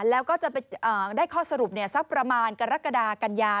แล้วก็จะได้ข้อสรุปสักประมาณกรกฎากัญญา